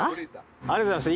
ありがとうございます。